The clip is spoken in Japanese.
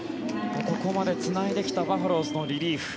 ここまでつないできたバファローズのリリーフ。